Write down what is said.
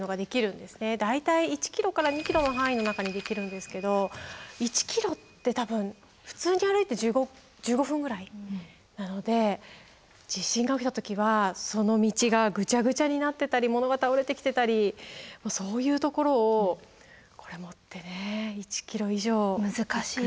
大体１キロから２キロの範囲の中にできるんですけど１キロって多分普通に歩いて１５分ぐらいなので地震が起きた時はその道がぐちゃぐちゃになってたりモノが倒れてきてたりそういうところをこれ持ってね１キロ以上。